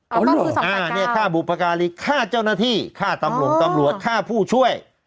อ๋อเหรอคือ๒๘๙ฆ่าบุพการีฆ่าเจ้าหน้าที่ฆ่าตำรวงตำรวจฆ่าผู้ช่วย